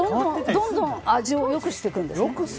どんどん味を良くしていくんですね。